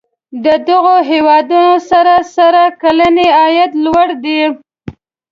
د دغو هیوادونو سړي سر کلنی عاید لوړ دی.